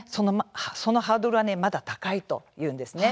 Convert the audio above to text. そのハードルはまだ高いというんですね。